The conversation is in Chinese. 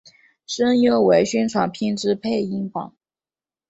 声优为宣传片之配音版。